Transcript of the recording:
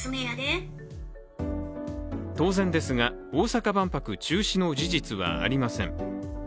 当然ですが、大阪万博中止の事実はありません。